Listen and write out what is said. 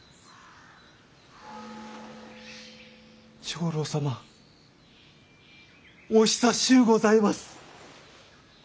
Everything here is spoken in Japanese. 長老様お久しゅうございます。